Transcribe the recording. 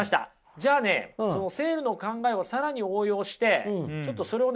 じゃあねセールの考えを更に応用してちょっとそれをね